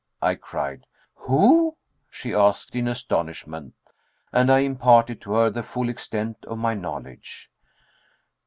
I cried. "Who?" she asked in astonishment, and I imparted to her the full extent of my knowledge.